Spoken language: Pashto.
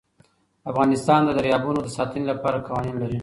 افغانستان د دریابونه د ساتنې لپاره قوانین لري.